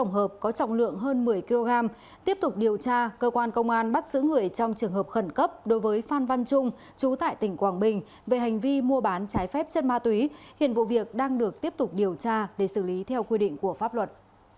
hơn một mươi kg tiếp tục điều tra cơ quan công an bắt sử người trong trường hợp khẩn cấp đối với phan văn trung chú tại tỉnh quảng bình về hành vi mua bán trái phép chất ma túy hiện vụ việc đang được tiếp tục điều tra để xử lý theo quy định của pháp luật